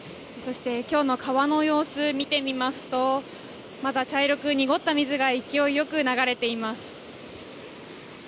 今日の川の様子を見てみますとまだ茶色く濁った水が勢いよく流れています。